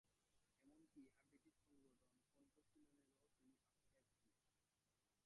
এমনকি আবৃত্তি সংগঠন কণ্ঠশীলনেরও তিনি আহ্বায়ক ছিলেন।